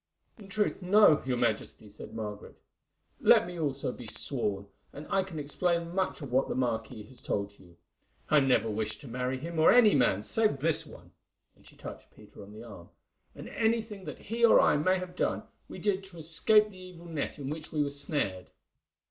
"In truth, no, your Majesty," said Margaret. "Let me be sworn also, and I can explain much of what the marquis has told to you. I never wished to marry him or any man, save this one," and she touched Peter on the arm, "and anything that he or I may have done, we did to escape the evil net in which we were snared."